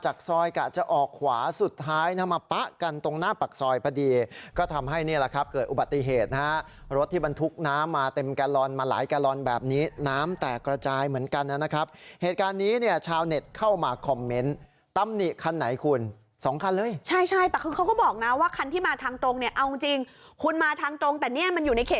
ยากจะออกขวาสุดท้ายมาปะกันตรงหน้าปักซอยพอดีก็ทำให้นี่แหละครับเกิดอุบัติเหตุนะฮะรถที่มันทุกข์น้ำมาเต็มแกลอร์นมาหลายแกลอร์นแบบนี้น้ำแตกกระจายเหมือนกันน่ะนะครับเหตุการณ์นี้เนี่ยชาวเน็ตเข้ามาคอมเมนต์ตั้มหนิคันไหนคุณสองคันเลยใช่แต่คือเขาก็บอกนะว่าคันที่มาทางตรงเนี่ยเอ